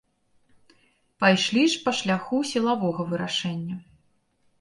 Пайшлі ж па шляху сілавога вырашэння.